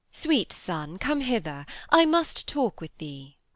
_ Sweet son, come hither; I must talk with thee.